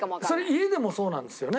家でもそうなんですよね？